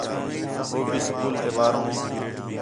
ہو بھی سکول تے ٻاہروں